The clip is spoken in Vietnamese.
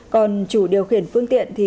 còn chủ điều khiển phương tiện thì